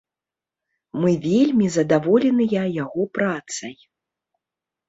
Мы вельмі задаволеныя яго працай.